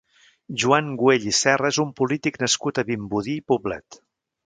Joan Güell i Serra és un polític nascut a Vimbodí i Poblet.